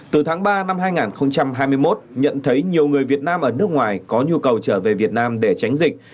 từ tháng ba năm hai nghìn hai mươi một nhận thấy nhiều người việt nam ở nước ngoài có nhu cầu trở về việt nam để tránh dịch